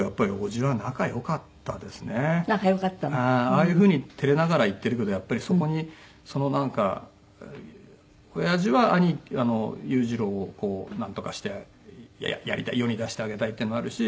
ああいう風に照れながら言ってるけどやっぱりそこにそのなんかおやじは裕次郎をこうなんとかしてやりたい世に出してあげたいっていうのがあるし